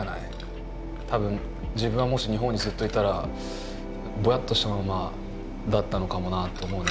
多分自分はもし日本にずっといたらぼやっとしたままだったのかもなって思うね